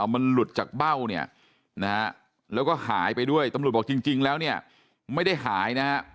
มันหลุดจากเบ้าแล้วก็หายไปด้วยตำรุดบอกจริงแล้วไม่ได้หาย